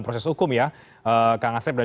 proses hukum ya kang asep dan